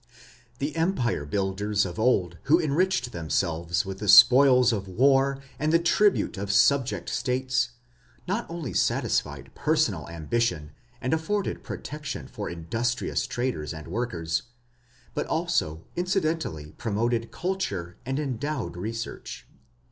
The empire builders of old who enriched themselves with the spoils of war and the tribute of subject States, not only satisfied personal ambition and afforded protection for industrious traders and workers, but also incidentally promoted culture and endowed research.